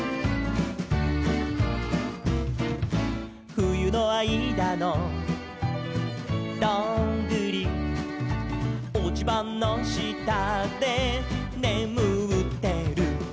「ふゆのあいだのどんぐり」「おちばのしたでねむってる」